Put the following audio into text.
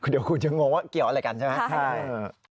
เดี๋ยวคุณจะงงว่าเกี่ยวอะไรกันใช่ไหม